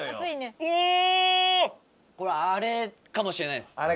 これあれかもしれないです。